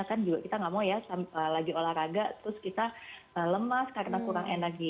kan juga kita nggak mau ya lagi olahraga terus kita lemas karena kurang energi